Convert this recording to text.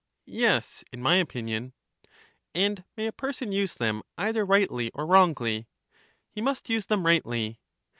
Yes, in my opinion. And may a person use them either rightly or wrongly? He must use them rightly.